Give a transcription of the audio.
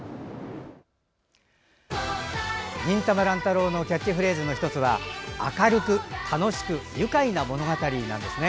「忍たま乱太郎」のキャッチフレーズの１つは明るく楽しく愉快な物語なんですね。